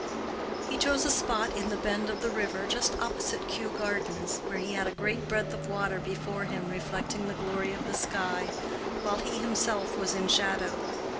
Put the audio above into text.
He chose a spot in the bend of the river just opposite Kew Gardens, where he had a great breadth of water before him reflecting the glory of the sky, while he himself was in shadow.